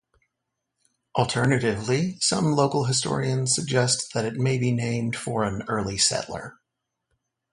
Alternatively, some local historians suggest that it may be named for an early settler.